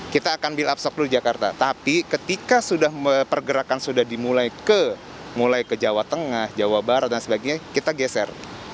kita akan bill abstop dulu jakarta tapi ketika sudah pergerakan sudah dimulai ke jawa tengah jawa barat dan sebagainya kita geser